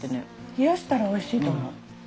冷やしたらおいしいと思う。